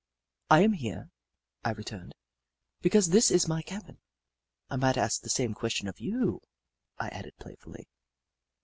" I am here," I returned, " because this is my cabin. I might ask the same question of you," I added, playfully.